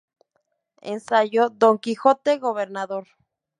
Ensayo: Don Quijote gobernador.